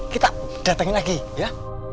kita datangin lagi ya